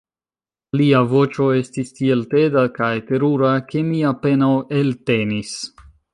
Lia voĉo estis tiel teda kaj terura ke mi apenaŭ eltenis.